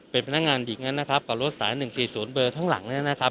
เป็นพนักงานหญิงนั้นนะครับกับรถสาย๑๔๐เบอร์ข้างหลังเนี่ยนะครับ